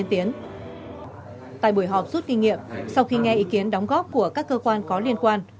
tại buổi họp rút kinh nghiệm sau khi nghe ý kiến đóng góp của các cơ quan có liên quan